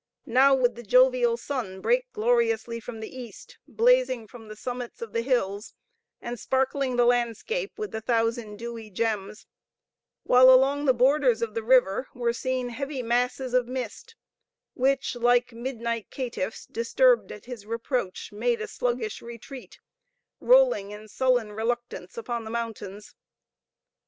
Now would the jovial sun break gloriously from the east, blazing from the summits of the hills, and sparkling the landscape with a thousand dewy gems; while along the borders of the river were seen heavy masses of mist, which, like midnight caitiffs, disturbed at his reproach, made a sluggish retreat, rolling in sullen reluctance upon the mountains.